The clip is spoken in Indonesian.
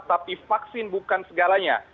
tapi vaksin bukan segalanya